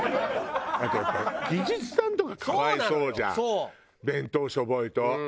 あとやっぱ技術さんとか可哀想じゃん弁当しょぼいと。